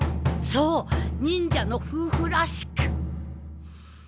そう忍者のふうふらしく。